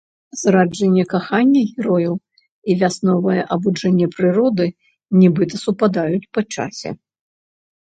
Зараджэнне кахання герояў і вясновае абуджэнне прыроды нібыта супадаюць па часе.